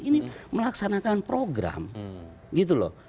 ini melaksanakan program gitu loh